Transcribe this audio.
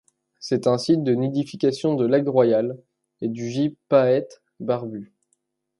C'est un site de nidification de l'Aigle royal et du Gypaète barbu.